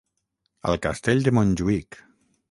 al castell de Montjuïc